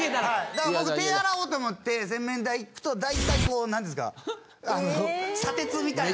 だから僕手洗おうと思って洗面台行くと大体こう何ですかあの砂鉄みたいなの。